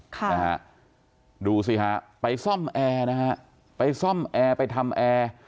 ค่ะนะฮะดูสิฮะไปซ่อมแอร์นะฮะไปซ่อมแอร์ไปทำแอร์